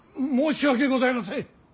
申し訳ございません。